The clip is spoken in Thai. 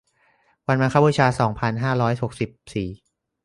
วันมาฆบูชา สองพันห้าร้อยหกสิบสี่